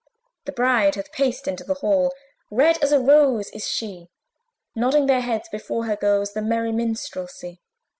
The bride hath paced into the hall, Red as a rose is she; Nodding their heads before her goes The merry minstrelsy.